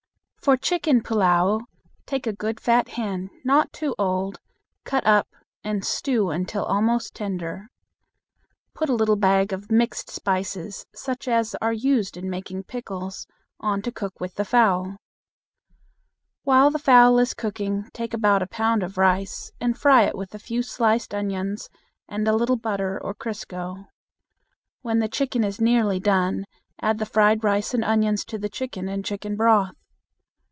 For chicken pullao, take a good fat hen, not too old, cut up and stew until almost tender. Put a little bag of "mixed spices," such as are used in making pickles, on to cook with the fowl. While the fowl is cooking take about a pound of rice and fry it with a few sliced onions and a little butter or crisco. When the chicken is nearly done, add the fried rice and onions to the chicken and chicken broth.